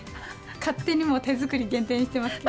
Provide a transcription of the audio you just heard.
勝手にもう、手作り限定にしてますけど。